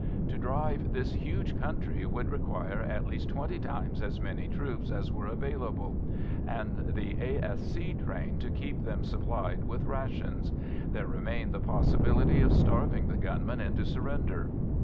To drive this huge country would require at least twenty times as many troops as were available, and A.S.C. train to keep them supplied with rations; there remained the possibility of starving the gunmen into surrender.